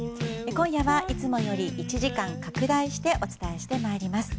今夜はいつもより１時間拡大してお伝えしてまいります。